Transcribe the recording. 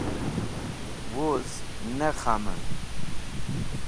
Wuz ne khamẽm